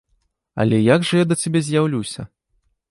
Але як жа я да цябе з'яўлюся?